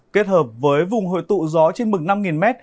kết hợp với vùng hội tụ gió trên mực năm m